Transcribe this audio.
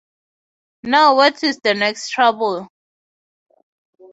Now what is the next trouble?